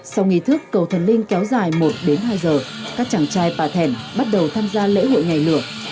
sau nghi thức cầu thần linh kéo dài một đến hai giờ các chàng trai bà thèn bắt đầu tham gia lễ hội nhảy lửa